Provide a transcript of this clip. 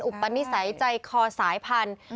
อุปนิสัยใจคอสายพันธุ์